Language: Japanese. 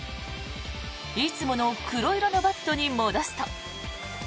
いつもの黒色のバットに戻すと。